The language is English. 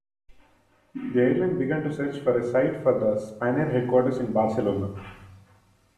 The airline began to search for a site for the Spanair headquarters in Barcelona.